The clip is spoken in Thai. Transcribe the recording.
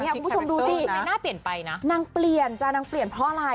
คุณผู้ชมดูสินางเปลี่ยนจ้านางเปลี่ยนเพราะอะไร